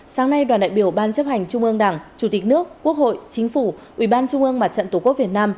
sáng nay đoàn đại biểu ban chấp hành trung ương đảng chủ tịch nước quốc hội chính phủ ủy ban trung ương mặt trận tổ quốc việt nam